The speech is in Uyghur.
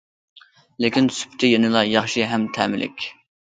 لېكىن سۈپىتى يەنىلا ياخشى ھەم تەملىك.